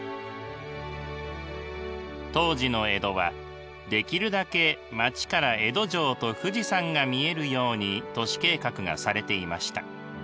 当時の江戸はできるだけ町から江戸城と富士山が見えるように都市計画がされていました。